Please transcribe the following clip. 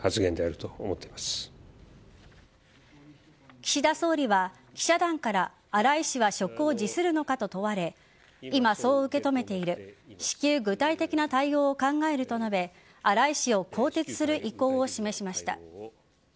岸田総理は記者団から荒井氏は職を辞するのかと問われ今、そう受け止めている至急具体的な対応を考えると述べ荒井氏を更迭する意向を示しました。